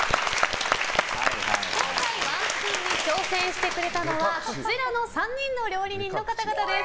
今回、ワンスプーンに挑戦してくれたのはこちらの３人の料理人の方々です。